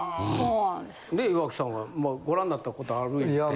岩城さんはご覧なったことあるいうて。